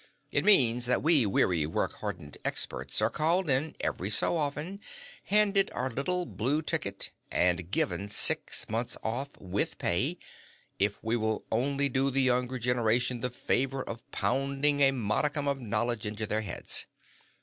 It means that we weary, work hardened experts are called in every so often, handed our little blue ticket, and given six months off with pay if we will only do the younger generation the favor of pounding a modicum of knowledge into their heads.